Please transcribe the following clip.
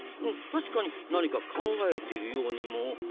うん確かに何か考えているようにも。